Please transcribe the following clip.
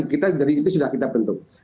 kita jadi itu sudah kita bentuk